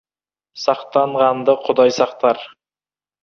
Сақтанғанды Құдай сақтар.